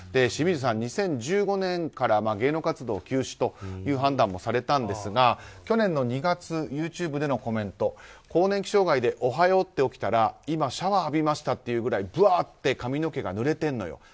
清水さん、２０１５年から芸能活動休止という判断もされたんですが去年２月ＹｏｕＴｕｂｅでのコメント更年期障害でおはようって起きたら今シャワー浴びましたっていうぐらい、ぶわって髪の毛がぬれてるのよ。